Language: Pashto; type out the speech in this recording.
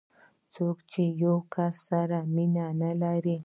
څوک چې د یو کس سره مینه نه لري.